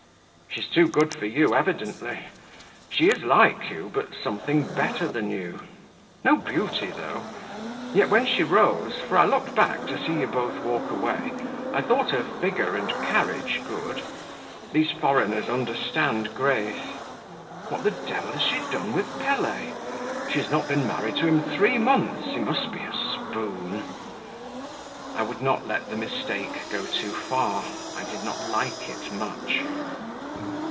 "She's too good for you evidently; she is like you, but something better than you no beauty, though; yet when she rose (for I looked back to see you both walk away) I thought her figure and carriage good. These foreigners understand grace. What the devil has she done with Pelet? She has not been married to him three months he must be a spoon!" I would not let the mistake go too far; I did not like it much.